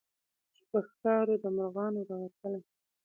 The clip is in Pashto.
چي په ښکار وو د مرغانو راوتلی